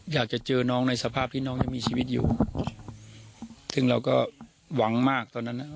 อยากจะเจอน้องในสภาพที่น้องยังมีชีวิตอยู่ซึ่งเราก็หวังมากตอนนั้นน่ะ